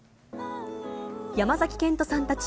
山崎賢人さんたち